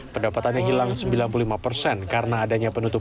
pendapatannya hilang sembilan puluh lima persen karena adanya penutupan